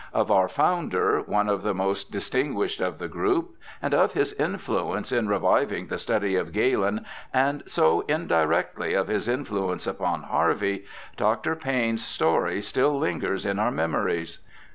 Of our founder, one of the most distinguished of the group, and of his influence in reviving the study of Galen and so indirectly of his influence upon Harve}', Dr. Payne's story still lingers in our memories.